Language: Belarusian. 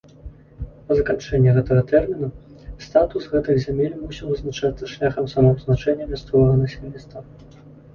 Па заканчэнні гэтага тэрміна статус гэтых зямель мусіў вызначацца шляхам самавызначэння мясцовага насельніцтва.